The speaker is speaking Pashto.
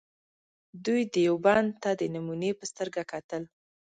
دوی دیوبند ته د نمونې په سترګه کتل.